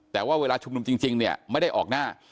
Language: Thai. แต่ว่าเวลาชุมนุมจริงเนี่ยไม่ได้ออกหน้า